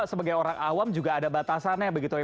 sebagai orang awam juga ada batasannya